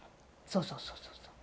そうそうそうそうそう。